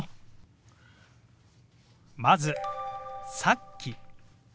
まず「さっき」。